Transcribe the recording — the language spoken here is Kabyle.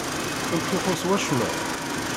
Ur k-ixuṣṣ wacemma?